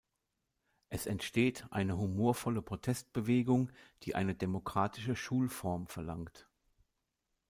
Es entsteht eine humorvolle Protestbewegung, die eine demokratische Schulform verlangt.